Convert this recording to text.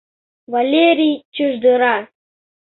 — Валерий чыждыра.